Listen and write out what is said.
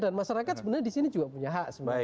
dan masyarakat sebenarnya disini juga punya hak sebenarnya